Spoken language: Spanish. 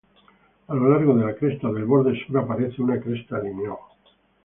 A lo largo de la cresta del borde sur aparece una cresta lineal.